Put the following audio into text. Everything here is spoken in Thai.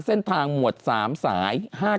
เส้นทางหมวด๓สาย๕๙๐